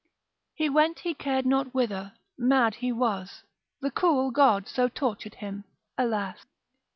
He went he car'd not whither, mad he was, The cruel God so tortured him, alas!